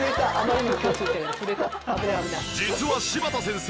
実は柴田先生